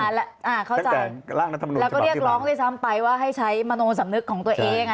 เข้าใจแล้วก็เรียกร้องด้วยซ้ำไปว่าให้ใช้มโนสำนึกของตัวเองอ่ะ